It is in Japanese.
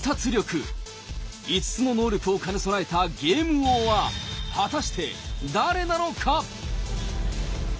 ５つの能力を兼ね備えたゲーム王は果たして誰なのか！